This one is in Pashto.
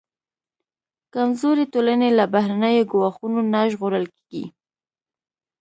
کمزورې ټولنې له بهرنیو ګواښونو نه ژغورل کېږي.